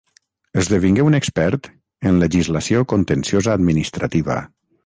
Esdevingué un expert en legislació contenciosa-administrativa.